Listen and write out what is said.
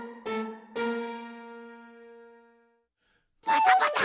バサバサ！